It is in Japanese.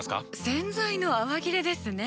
洗剤の泡切れですね。